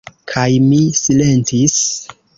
Kaj mi silentis.